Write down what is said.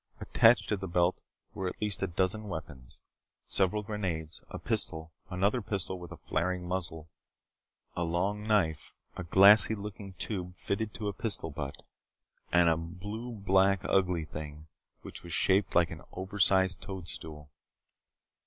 Attached to the belt were at least a dozen weapons: several grenades, a pistol, another pistol with a flaring muzzle, a long knife, a glassy looking tube fitted to a pistol butt, and a blue black ugly thing which was shaped like an over sized toadstool.